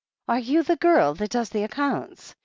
"Are you the girl who does accounts?"